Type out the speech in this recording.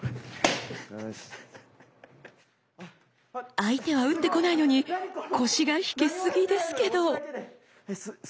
相手は打ってこないのに腰が引けすぎですけど！